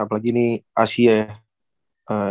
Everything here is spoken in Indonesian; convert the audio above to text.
apalagi ini asia ya